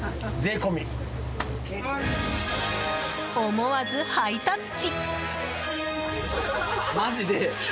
思わずハイタッチ！